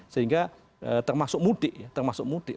sehingga termasuk mudik ya termasuk mudik